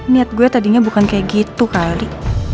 niat gue tadinya bukan kayak gitu kali